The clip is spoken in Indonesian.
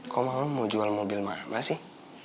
kok mama mau jual mobil mah sih